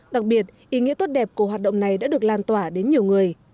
đặc biệt ý nghĩa tốt đẹp của hoạt động này đã được lan tỏa đến nhiều người